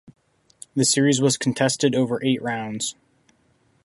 The series was contested over eight rounds.